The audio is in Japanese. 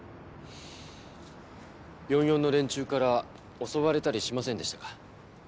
４４の連中から襲われたりしませんでしたか？